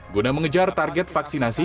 guna mengejar target vaksinasi